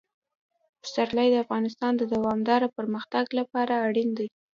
پسرلی د افغانستان د دوامداره پرمختګ لپاره اړین دي.